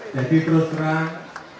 jadi terus terang